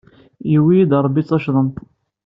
Yuwey-iyi-d Ṛebbi teccḍemt.